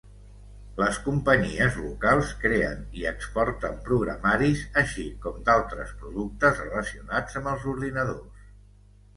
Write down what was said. Les companyies locals creen i exporten programaris així com d'altres productes relacionats amb els ordenadors.